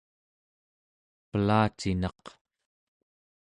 pelacinak